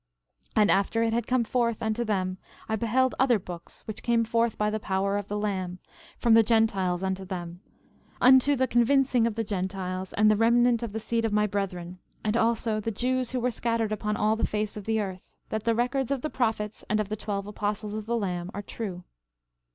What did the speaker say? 13:39 And after it had come forth unto them I beheld other books, which came forth by the power of the Lamb, from the Gentiles unto them, unto the convincing of the Gentiles and the remnant of the seed of my brethren, and also the Jews who were scattered upon all the face of the earth, that the records of the prophets and of the twelve apostles of the Lamb are true.